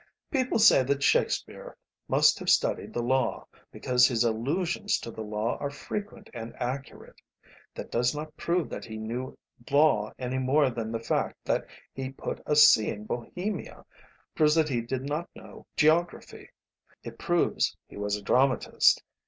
People say that Shakespeare must have studied the law, because his allusions to the law are frequent and accurate. That does not prove that he knew law any more than the fact that he put a sea in Bohemia proves that he did not know geography. It proves he was a dramatist.